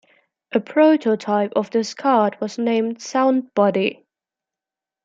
A prototype of this card was named "Sound Buddy".